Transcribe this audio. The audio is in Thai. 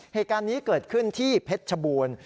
เหตุการณ์นี้เกิดขึ้นที่เพชรชบูรณ์